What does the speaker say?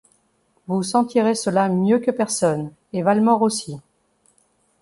Vous sentirez cela mieux que personne et Valmore aussi.